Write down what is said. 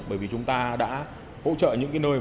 bởi vì chúng ta đã hỗ trợ những nơi